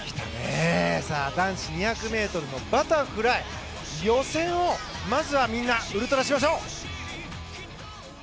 男子２００ｍのバタフライ予選をまずはみんなウルトラしましょう。